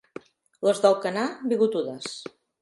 Les d'Alcanar, bigotudes.